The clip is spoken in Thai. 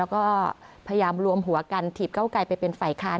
แล้วก็พยายามรวมหัวกันถีบเก้าไกลไปเป็นฝ่ายค้าน